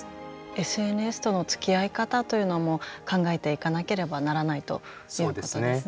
ＳＮＳとのつきあい方というのも考えていかなければならないということですね。